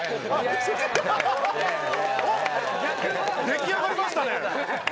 出来上がりましたね！